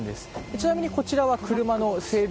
ちなみにこちらは車の整備